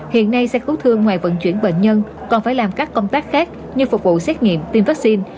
hiện nay xe cứu thương ngoài vận chuyển bệnh nhân còn phải làm các công tác khác như phục vụ xét nghiệm tiêm vaccine